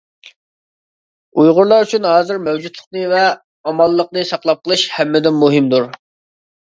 ئۇيغۇرلار ئۈچۈن، ھازىر مەۋجۇتلۇقىنى ۋە ئامانلىقىنى ساقلاپ قېلىش ھەممىدىن مۇھىمدۇر.